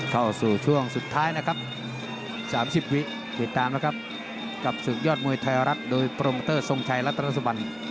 เข้าสู่ช่วงสุดท้ายนะครับ๓๐วิติดตามนะครับกับศึกยอดมวยไทยรัฐโดยโปรโมเตอร์ทรงชัยรัตนสุบัน